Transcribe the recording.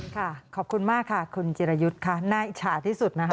ขอบคุณมากค่ะคุณจิรยุทธ์ค่ะน่าอิจฉาที่สุดนะคะ